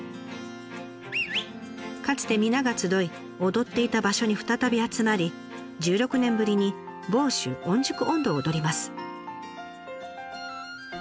かつて皆が集い踊っていた場所に再び集まり１６年ぶりに「房州御宿音頭」を踊ります。